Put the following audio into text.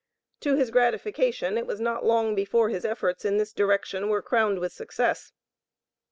To his gratification it was not long before his efforts in this direction were crowned with success.